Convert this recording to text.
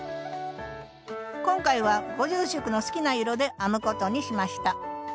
今回はご住職の好きな色で編むことにしました。